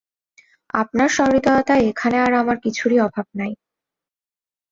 আপনার সহৃদয়তায় এখানে আর আমার কিছুরই অভাব নাই।